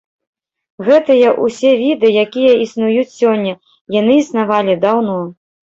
Гэтыя ўсе віды, якія існуюць сёння, яны існавалі даўно.